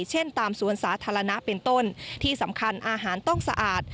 เช่นตามสวนสาธารณะเป็นต้นที่สำคัญอาหารต้องสะอาด